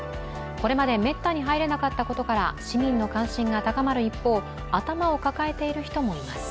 これまでめったには入れなかったことから市民の関心が高まる一方頭を抱えている人もいます。